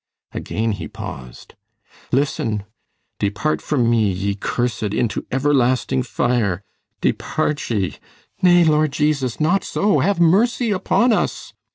Again he paused. "Listen. Depart from me, ye cursed, into everlasting fire. Depart ye! Nay, Lord Jesus! not so! Have mercy upon us!"